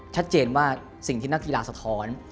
ชัดเจนว่าสิ่งที่นักกีฬาสะท้อน